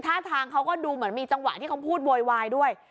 ท่าทางเขาก็ดูเหมือนมีจังหวะที่เขาพูดโวยวายด้วย